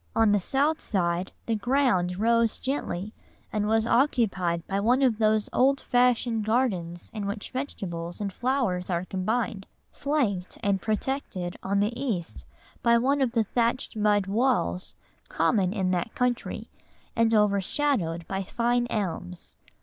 On the south side, the ground rose gently, and was occupied by one of those old fashioned gardens in which vegetables and flowers are combined, flanked and protected on the east by one of the thatched mud walls common in that country, and overshadowed by fine elms.